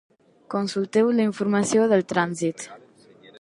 Consulteu la informació del trànsit.